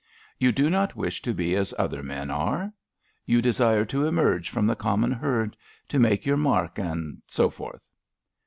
" You do not wish to be as other men are? You desire to emerge from the common herd, to make your mark, and so forth?